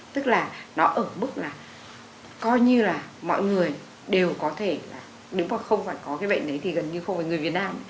tức là nó ở mức là coi như là mọi người đều có thể là nếu mà không phải có cái bệnh đấy thì gần như không phải người việt nam